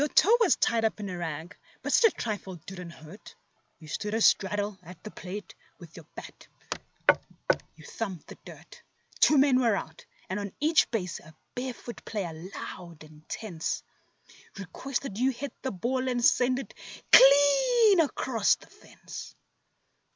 TOE was tied up in a rag, but such a trifle didn't hurt; You stood a straddle at the plate, and with your bat you thumped the dirt; Two men were out, and on each base a barefoot player loud and tense Requested you to hit the ball and send it clean across the fence.